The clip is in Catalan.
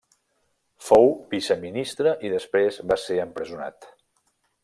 Fou viceministre i després va ser empresonat.